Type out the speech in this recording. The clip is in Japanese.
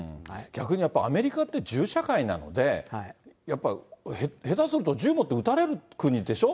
逆にやっぱりアメリカって銃社会なので、やっぱり下手すると、それもあるし。